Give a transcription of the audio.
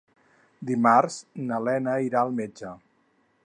Dimarts na Lena irà al metge.